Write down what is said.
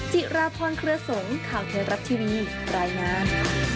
จิราพรเครือสงข่าวไทยรัฐทีวีรายงาน